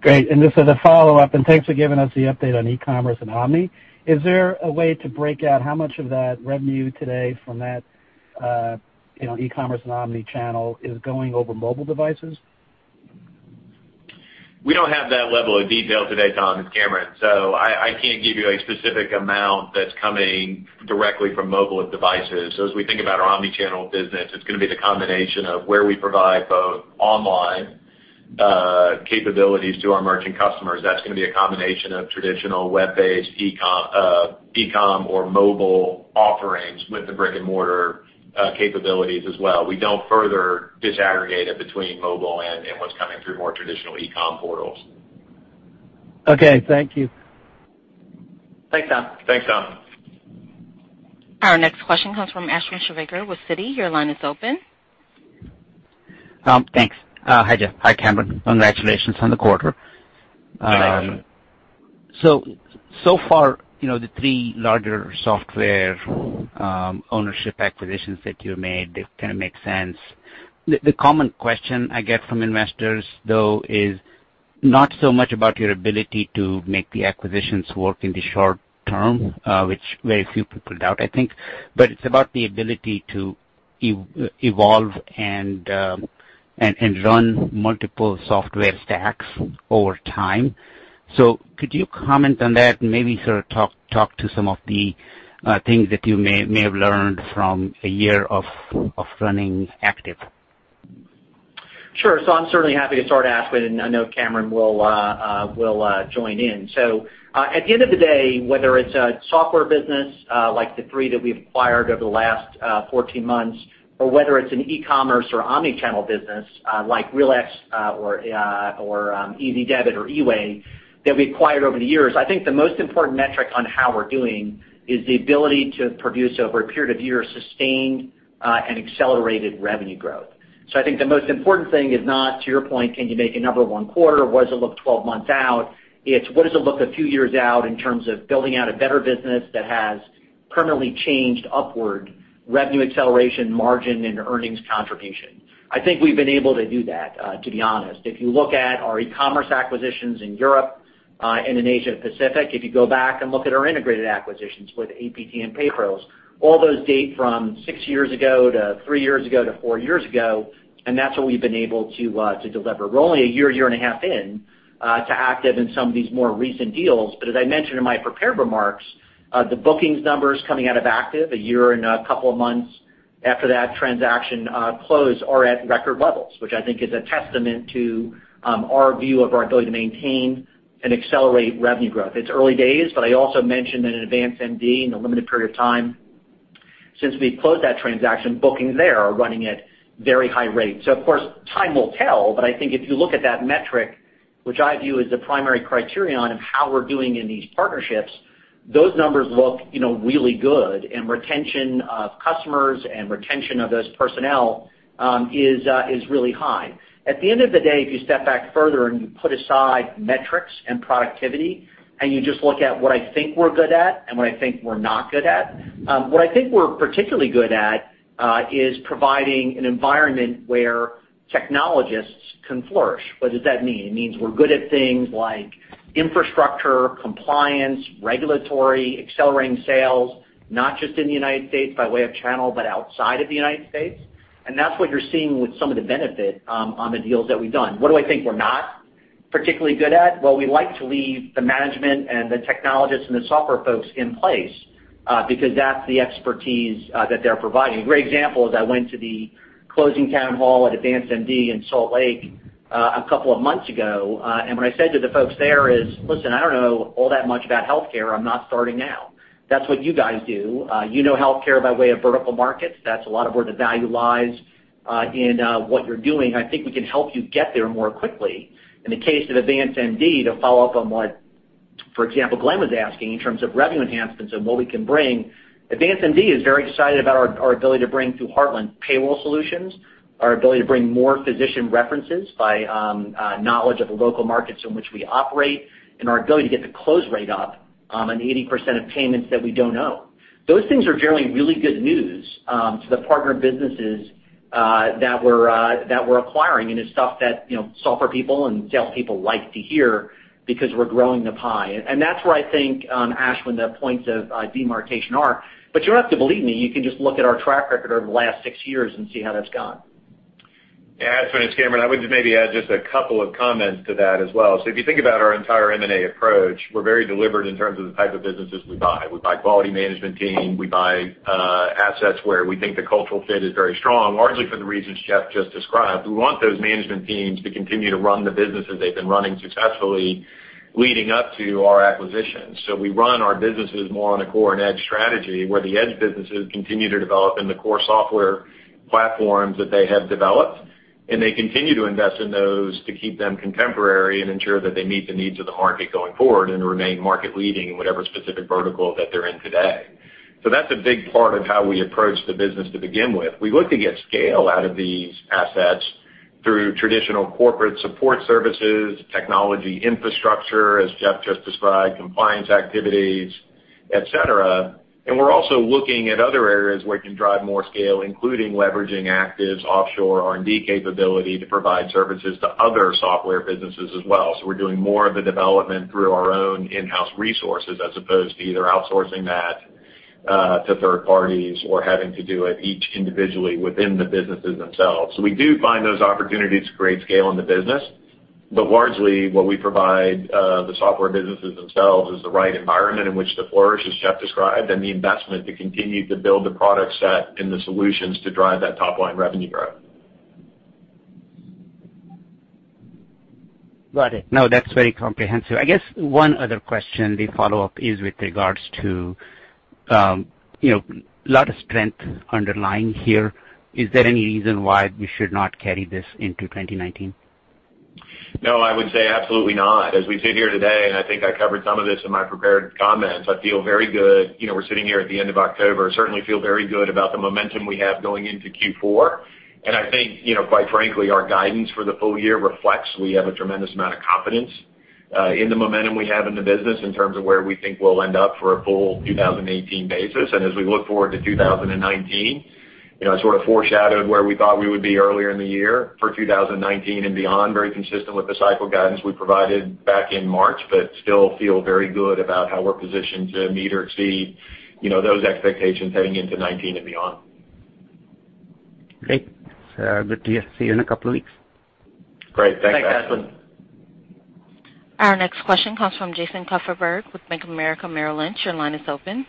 Great. Just as a follow-up, and thanks for giving us the update on e-commerce and omni. Is there a way to break out how much of that revenue today from that e-commerce and omni-channel is going over mobile devices? We don't have that level of detail today, Tom. It's Cameron. I can't give you a specific amount that's coming directly from mobile devices. As we think about our omni-channel business, it's going to be the combination of where we provide both online capabilities to our merchant customers. That's going to be a combination of traditional web-based e-com or mobile offerings with the brick-and-mortar capabilities as well. We don't further disaggregate it between mobile and what's coming through more traditional e-com portals. Okay, thank you. Thanks, Tom. Thanks, Tom. Our next question comes from Ashwin Shirvaikar with Citi. Your line is open. Thanks. Hi, Jeff. Hi, Cameron. Congratulations on the quarter. You bet. Far, the three larger software ownership acquisitions that you made, they kind of make sense. The common question I get from investors, though, is not so much about your ability to make the acquisitions work in the short term, which very few people doubt, I think. It's about the ability to evolve and run multiple software stacks over time. Could you comment on that and maybe sort of talk to some of the things that you may have learned from a year of running ACTIVE? Sure. I'm certainly happy to start, Ashwin, and I know Cameron will join in. At the end of the day, whether it's a software business, like the three that we've acquired over the last 14 months, or whether it's an e-commerce or omni-channel business, like Realex or ezidebit or eWAY that we acquired over the years, I think the most important metric on how we're doing is the ability to produce, over a period of years, sustained and accelerated revenue growth. I think the most important thing is not, to your point, can you make another one quarter? What does it look 12 months out? It's what does it look a few years out in terms of building out a better business that has permanently changed upward revenue acceleration, margin, and earnings contribution. I think we've been able to do that, to be honest. If you look at our e-commerce acquisitions in Europe and in Asia-Pacific, if you go back and look at our integrated acquisitions with APT and PayPros, all those date from six years ago to three years ago to four years ago, and that's what we've been able to deliver. We're only a year and a half in to ACTIVE in some of these more recent deals. As I mentioned in my prepared remarks, the bookings numbers coming out of ACTIVE, a year and a couple of months after that transaction closed, are at record levels, which I think is a testament to our view of our ability to maintain and accelerate revenue growth. It's early days, I also mentioned that in AdvancedMD, in a limited period of time since we closed that transaction, booking there are running at very high rates. Of course, time will tell, but I think if you look at that metric, which I view as the primary criterion of how we're doing in these partnerships, those numbers look really good, and retention of customers and retention of those personnel is really high. At the end of the day, if you step back further and you put aside metrics and productivity, and you just look at what I think we're good at and what I think we're not good at, what I think we're particularly good at is providing an environment where technologists can flourish. What does that mean? It means we're good at things like infrastructure, compliance, regulatory, accelerating sales, not just in the U.S. by way of channel, but outside of the U.S. That's what you're seeing with some of the benefit on the deals that we've done. What do I think we're not particularly good at? Well, we like to leave the management and the technologists and the software folks in place because that's the expertise that they're providing. A great example is I went to the closing town hall at AdvancedMD in Salt Lake a couple of months ago. What I said to the folks there is, "Listen, I don't know all that much about healthcare. I'm not starting now. That's what you guys do. You know healthcare by way of vertical markets. That's a lot of where the value lies in what you're doing. I think we can help you get there more quickly." In the case of AdvancedMD, to follow up on what, for example, Glenn was asking in terms of revenue enhancements and what we can bring, AdvancedMD is very excited about our ability to bring through Heartland payroll solutions, our ability to bring more physician references by knowledge of the local markets in which we operate, and our ability to get the close rate up on 80% of payments that we don't own. Those things are generally really good news to the partner businesses that we're acquiring and is stuff that software people and sales people like to hear because we're growing the pie. That's where I think, Ashwin, the points of demarcation are. You don't have to believe me. You can just look at our track record over the last six years and see how that's gone. Yeah, Ashwin, it's Cameron. I would maybe add just a couple of comments to that as well. If you think about our entire M&A approach, we're very deliberate in terms of the type of businesses we buy. We buy quality management team, we buy assets where we think the cultural fit is very strong, largely for the reasons Jeff just described. We want those management teams to continue to run the businesses they've been running successfully leading up to our acquisition. We run our businesses more on a core and edge strategy, where the edge businesses continue to develop in the core software platforms that they have developed. They continue to invest in those to keep them contemporary and ensure that they meet the needs of the market going forward and remain market leading in whatever specific vertical that they're in today. That's a big part of how we approach the business to begin with. We look to get scale out of these assets through traditional corporate support services, technology infrastructure, as Jeff just described, compliance activities, et cetera. We're also looking at other areas where we can drive more scale, including leveraging ACTIVE's offshore R&D capability to provide services to other software businesses as well. We're doing more of the development through our own in-house resources, as opposed to either outsourcing that to third parties or having to do it each individually within the businesses themselves. We do find those opportunities to create scale in the business, but largely what we provide the software businesses themselves is the right environment in which to flourish, as Jeff described, and the investment to continue to build the product set and the solutions to drive that top-line revenue growth. Got it. That's very comprehensive. I guess one other question, the follow-up is with regards to lot of strength underlying here. Is there any reason why we should not carry this into 2019? No, I would say absolutely not. As we sit here today, I think I covered some of this in my prepared comments. I feel very good. We're sitting here at the end of October. Certainly feel very good about the momentum we have going into Q4. I think, quite frankly, our guidance for the full year reflects we have a tremendous amount of confidence In the momentum we have in the business in terms of where we think we'll end up for a full 2018 basis. As we look forward to 2019, I foreshadowed where we thought we would be earlier in the year for 2019 and beyond, very consistent with the cycle guidance we provided back in March, still feel very good about how we're positioned to meet or exceed those expectations heading into 2019 and beyond. Great. Good to see you in a couple of weeks. Great. Thanks, Ashwin. Thanks, Ashwin. Our next question comes from Jason Kupferberg with Bank of America Merrill Lynch. Your line is open.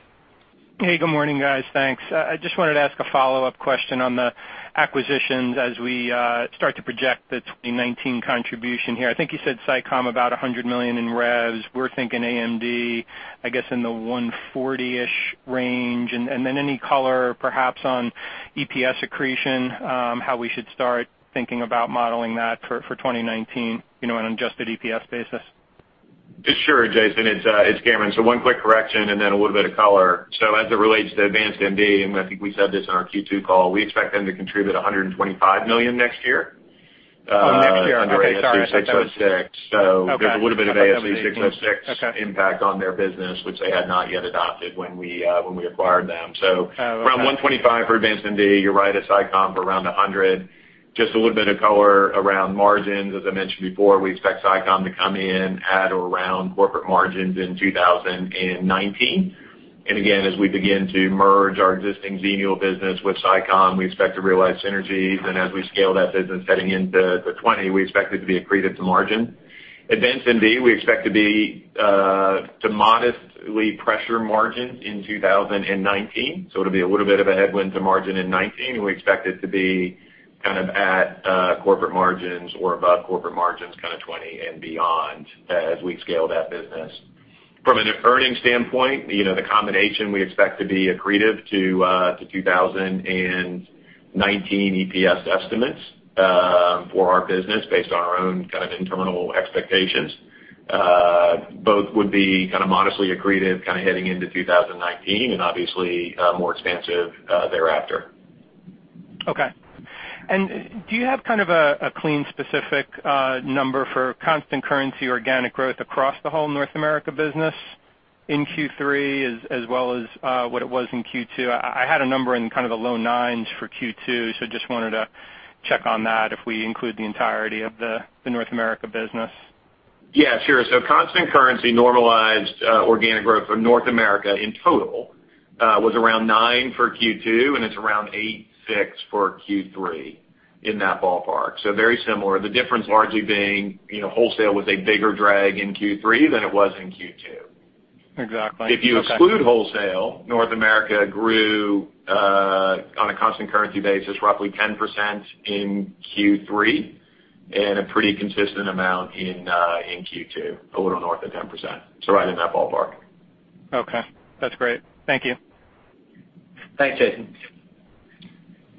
Hey, good morning, guys. Thanks. I just wanted to ask a follow-up question on the acquisitions as we start to project the 2019 contribution here. I think you said SICOM about $100 million in revs. We're thinking AdvancedMD, I guess, in the 140-ish range. Any color perhaps on EPS accretion, how we should start thinking about modeling that for 2019, on an adjusted EPS basis? Sure, Jason, it's Cameron. One quick correction a little bit of color. As it relates to AdvancedMD, and I think we said this on our Q2 call, we expect them to contribute $125 million next year- Oh, next year. Okay, sorry. I thought that was- Under ASC 606. There's a little bit of ASC 606 impact on their business, which they had not yet adopted when we acquired them. Oh, okay. Around $125 million for AdvancedMD. You're right at SICOM for around $100 million. Just a little bit of color around margins. As I mentioned before, we expect SICOM to come in at or around corporate margins in 2019. Again, as we begin to merge our existing Xenial business with SICOM, we expect to realize synergies. As we scale that business heading into 2020, we expect it to be accretive to margin. AdvancedMD, we expect to modestly pressure margins in 2019, so it'll be a little bit of a headwind to margin in 2019, and we expect it to be at corporate margins or above corporate margins 2020 and beyond as we scale that business. From an earnings standpoint, the combination we expect to be accretive to 2019 EPS estimates for our business based on our own internal expectations. Both would be modestly accretive heading into 2019 and obviously more expansive thereafter. Do you have a clean specific number for constant currency organic growth across the whole North America business in Q3 as well as what it was in Q2? I had a number in the low 9s for Q2, so just wanted to check on that if we include the entirety of the North America business. Yeah, sure. Constant currency normalized organic growth for North America in total was around 9 for Q2, and it's around 8.6 for Q3 in that ballpark. Very similar. The difference largely being, wholesale was a bigger drag in Q3 than it was in Q2. Exactly. Okay. If you exclude wholesale, North America grew on a constant currency basis, roughly 10% in Q3 and a pretty consistent amount in Q2, a little north of 10%. Right in that ballpark. Okay, that's great. Thank you. Thanks, Jason.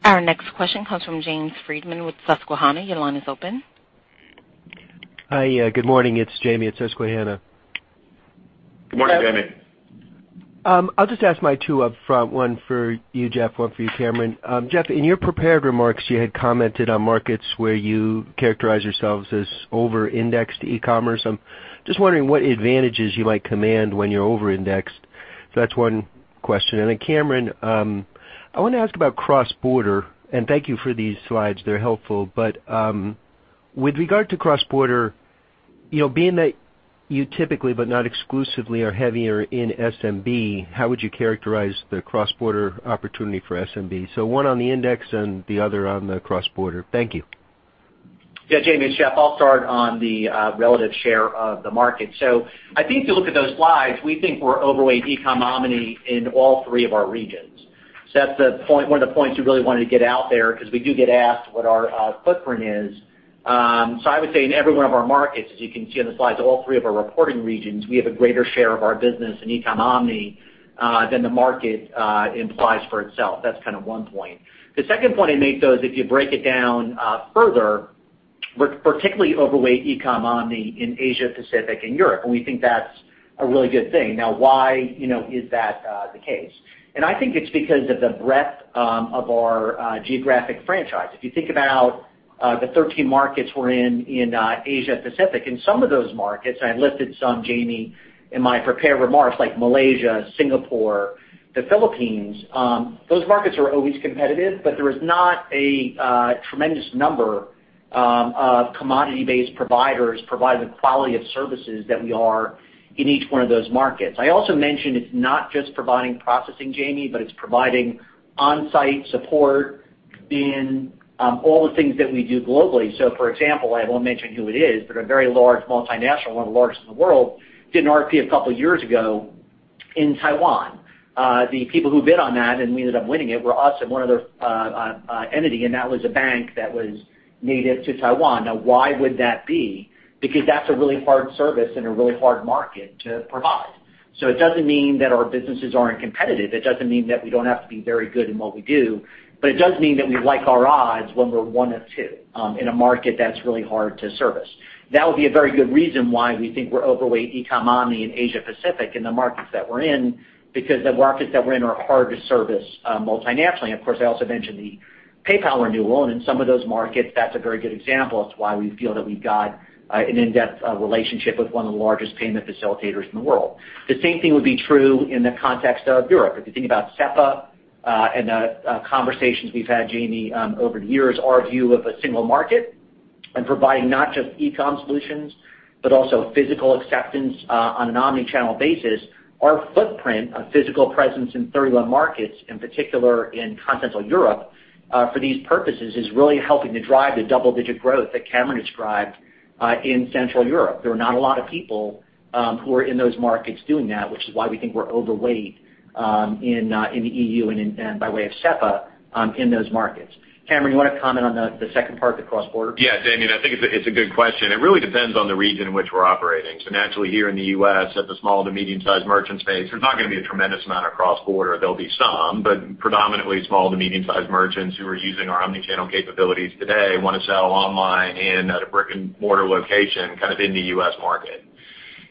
Our next question comes from James Friedman with Susquehanna. Your line is open. Hi, good morning. It's Jamie at Susquehanna. Good morning, Jamie. I'll just ask my two up front, one for you, Jeff, one for you, Cameron. Jeff, in your prepared remarks, you had commented on markets where you characterize yourselves as over-indexed e-commerce. I'm just wondering what advantages you might command when you're over-indexed. That's one question. Cameron, I want to ask about cross-border, and thank you for these slides. They're helpful. With regard to cross-border, being that you typically, but not exclusively, are heavier in SMB, how would you characterize the cross-border opportunity for SMB? One on the index and the other on the cross-border. Thank you. Yeah, Jamie, it's Jeff. I'll start on the relative share of the market. I think if you look at those slides, we think we're overweight e-com omni in all three of our regions. That's one of the points we really wanted to get out there because we do get asked what our footprint is. I would say in every one of our markets, as you can see on the slides, all three of our reporting regions, we have a greater share of our business in e-com omni than the market implies for itself. That's one point. The second point I make, though, is if you break it down further, we're particularly overweight e-com omni in Asia Pacific and Europe, and we think that's a really good thing. Why is that the case? I think it's because of the breadth of our geographic franchise. If you think about the 13 markets we're in Asia Pacific, in some of those markets, I listed some, Jamie, in my prepared remarks, like Malaysia, Singapore, the Philippines, those markets are always competitive, but there is not a tremendous number of commodity-based providers providing the quality of services that we are in each one of those markets. I also mentioned it's not just providing processing, Jamie, but it's providing on-site support in all the things that we do globally. For example, I won't mention who it is, but a very large multinational, one of the largest in the world, did an RFP a couple of years ago in Taiwan. The people who bid on that, and we ended up winning it, were us and one other entity, and that was a bank that was native to Taiwan. Why would that be? That's a really hard service and a really hard market to provide. It doesn't mean that our businesses aren't competitive. It doesn't mean that we don't have to be very good in what we do, but it does mean that we like our odds when we're one of two in a market that's really hard to service. That would be a very good reason why we think we're overweight e-com omni in Asia Pacific in the markets that we're in, because the markets that we're in are hard to service multinationally. Of course, I also mentioned the PayPal renewal, in some of those markets, that's a very good example as to why we feel that we've got an in-depth relationship with one of the largest payment facilitators in the world. The same thing would be true in the context of Europe. If you think about SEPA and the conversations we've had, Jamie, over the years, our view of a single market and providing not just e-com solutions, but also physical acceptance on an omni-channel basis. Our footprint of physical presence in 31 markets, in particular in continental Europe, for these purposes, is really helping to drive the double-digit growth that Cameron described in Central Europe. There are not a lot of people who are in those markets doing that, which is why we think we're overweight in the EU and by way of SEPA in those markets. Cameron, you want to comment on the second part, the cross-border? Jamie, I think it's a good question. It really depends on the region in which we're operating. Naturally, here in the U.S., at the small to medium-sized merchant space, there's not going to be a tremendous amount of cross-border. There'll be some, but predominantly small to medium-sized merchants who are using our omni-channel capabilities today want to sell online and at a brick-and-mortar location kind of in the U.S. market.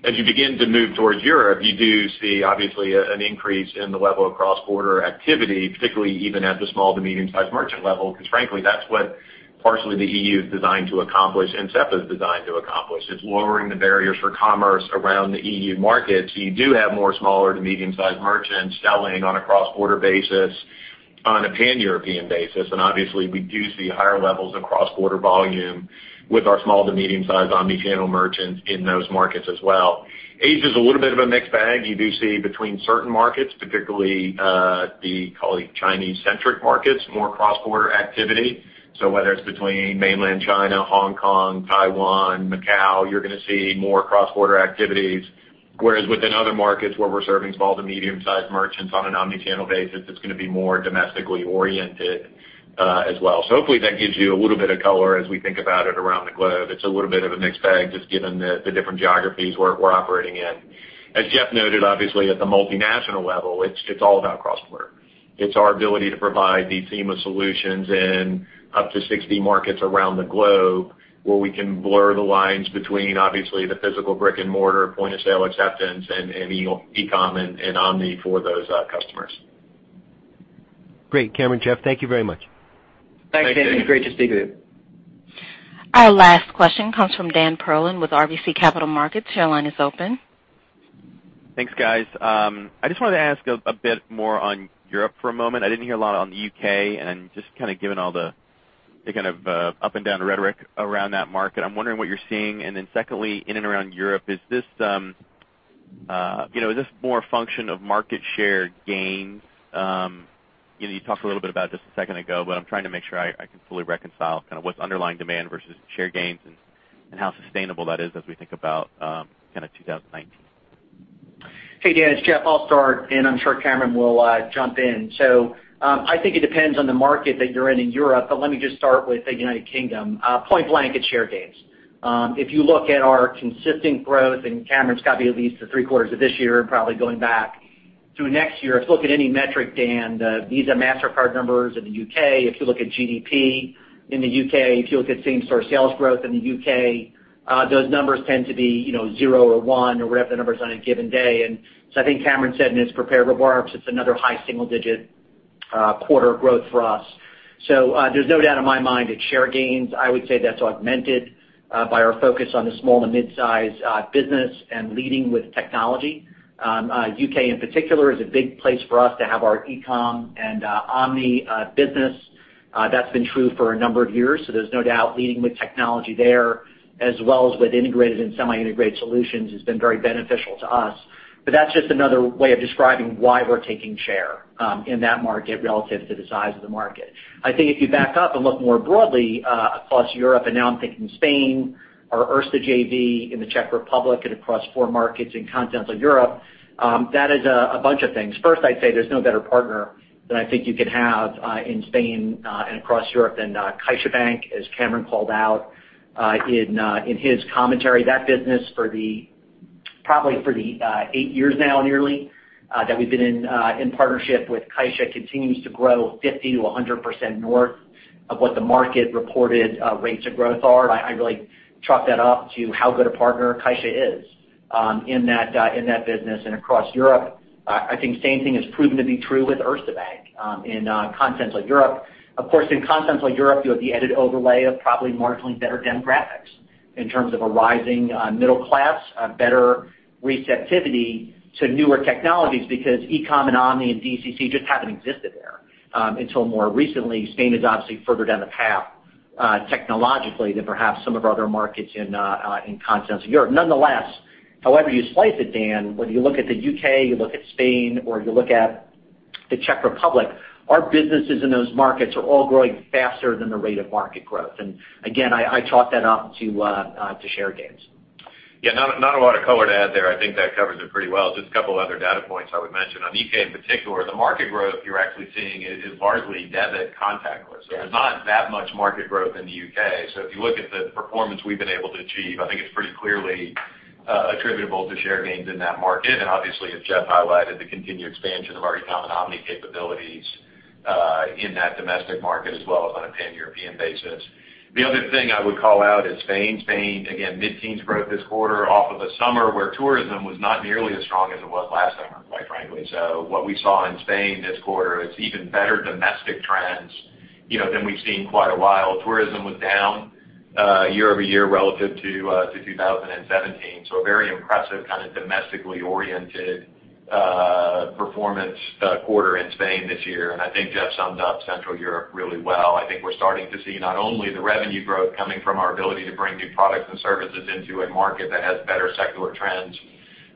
As you begin to move towards Europe, you do see obviously an increase in the level of cross-border activity, particularly even at the small to medium-sized merchant level, because frankly, that's what partially the EU is designed to accomplish and SEPA is designed to accomplish. It's lowering the barriers for commerce around the EU market, you do have more smaller to medium-sized merchants selling on a cross-border basis on a Pan-European basis. Obviously, we do see higher levels of cross-border volume with our small to medium-sized omni-channel merchants in those markets as well. Asia is a little bit of a mixed bag. You do see between certain markets, particularly the Chinese-centric markets, more cross-border activity. Whether it's between mainland China, Hong Kong, Taiwan, Macau, you're going to see more cross-border activities. Whereas within other markets where we're serving small to medium-sized merchants on an omni-channel basis, it's going to be more domestically oriented as well. Hopefully that gives you a little bit of color as we think about it around the globe. It's a little bit of a mixed bag, just given the different geographies we're operating in. As Jeff noted, obviously at the multinational level, it's all about cross-border. It's our ability to provide these seamless solutions in up to 60 markets around the globe where we can blur the lines between obviously the physical brick-and-mortar point-of-sale acceptance and e-com and omni for those customers. Great. Cameron, Jeff, thank you very much. Thanks, Damian. Great to speak with you. Thank you. Our last question comes from Dan Perlin with RBC Capital Markets. Your line is open. Thanks, guys. I just wanted to ask a bit more on Europe for a moment. I didn't hear a lot on the U.K. and just kind of given all the kind of up and down rhetoric around that market. I'm wondering what you're seeing. Secondly, in and around Europe, is this more a function of market share gains? You talked a little bit about it just a second ago, but I'm trying to make sure I can fully reconcile kind of what's underlying demand versus share gains and how sustainable that is as we think about kind of 2019. Hey, Dan, it's Jeff. I'll start, and I'm sure Cameron will jump in. I think it depends on the market that you're in in Europe, but let me just start with the United Kingdom. Point blank, it's share gains. If you look at our consistent growth, and Cameron's got to be at least the three quarters of this year and probably going back to next year. If you look at any metric, Dan, Visa, Mastercard numbers in the U.K., if you look at GDP in the U.K., if you look at same-store sales growth in the U.K., those numbers tend to be zero or one or whatever the numbers on a given day. I think Cameron said in his prepared remarks, it's another high single-digit quarter of growth for us. There's no doubt in my mind it's share gains. I would say that's augmented by our focus on the small to mid-size business and leading with technology. U.K. in particular is a big place for us to have our e-com and omni business. That's been true for a number of years, so there's no doubt leading with technology there as well as with integrated and semi-integrated solutions has been very beneficial to us. That's just another way of describing why we're taking share in that market relative to the size of the market. I think if you back up and look more broadly across Europe, and now I'm thinking Spain, our Erste JV in the Czech Republic and across four markets in continental Europe, that is a bunch of things. First, I'd say there's no better partner than I think you could have in Spain and across Europe than CaixaBank, as Cameron called out in his commentary. That business for the probably for the eight years now nearly that we've been in partnership with CaixaBank continues to grow 50%-100% north of what the market-reported rates of growth are. I really chalk that up to how good a partner CaixaBank is in that business and across Europe. I think same thing has proven to be true with Erste Bank in continental Europe. Of course, in continental Europe, you have the added overlay of probably marginally better demographics in terms of a rising middle class, a better receptivity to newer technologies because e-com and omni and DCC just haven't existed there until more recently. Spain is obviously further down the path technologically than perhaps some of our other markets in continental Europe. Nonetheless, however you slice it, Dan, whether you look at the U.K., you look at Spain, or you look at the Czech Republic, our businesses in those markets are all growing faster than the rate of market growth. Again, I chalk that up to share gains. Yeah, not a lot of color to add there. I think that covers it pretty well. Just a couple other data points I would mention. On U.K. in particular, the market growth you're actually seeing is largely debit contactless. Yes. There's not that much market growth in the U.K. If you look at the performance we've been able to achieve, I think it's pretty clearly attributable to share gains in that market. Obviously, as Jeff highlighted, the continued expansion of our e-com and omni capabilities in that domestic market as well as on a Pan-European basis. The other thing I would call out is Spain. Spain, again, mid-teens growth this quarter off of a summer where tourism was not nearly as strong as it was last summer, quite frankly. What we saw in Spain this quarter is even better domestic trends than we've seen quite a while. Tourism was down year-over-year relative to 2017. A very impressive kind of domestically oriented performance quarter in Spain this year. I think Jeff summed up Central Europe really well. I think we're starting to see not only the revenue growth coming from our ability to bring new products and services into a market that has better secular trends,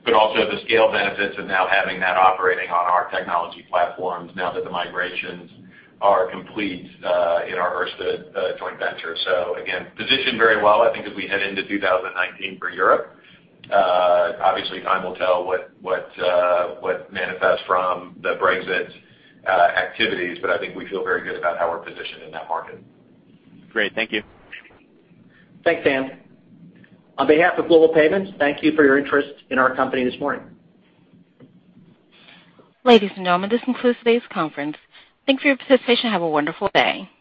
but also the scale benefits of now having that operating on our technology platforms now that the migrations are complete in our Erste joint venture. Again, positioned very well I think as we head into 2019 for Europe. Obviously, time will tell what manifests from the Brexit activities. I think we feel very good about how we're positioned in that market. Great. Thank you. Thanks, Dan. On behalf of Global Payments, thank you for your interest in our company this morning. Ladies and gentlemen, this concludes today's conference. Thanks for your participation. Have a wonderful day.